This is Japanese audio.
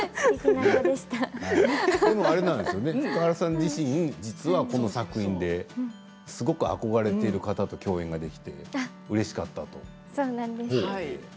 福原さん自身実はこの作品ですごく憧れている方と共演ができてうれしかったと。